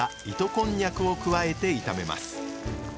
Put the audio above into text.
こんにゃくを加えて炒めます。